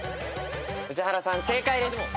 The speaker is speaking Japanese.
宇治原さん正解です。